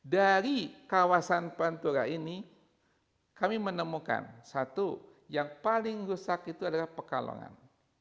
dari kawasan pantura ini kami menemukan satu yang paling rusak itu adalah pekalongan